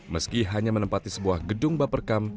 meski hanya menempati sebuah gedung baperkam